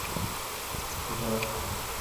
সেটা হবো আমি।